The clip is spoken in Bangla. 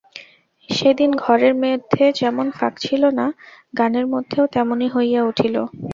সেদিন মেঘের মধ্যে যেমন ফাঁক ছিল না, গানের মধ্যেও তেমনি হইয়া উঠিল।